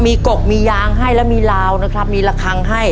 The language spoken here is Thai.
พร้อมมั้ยครับพร้อม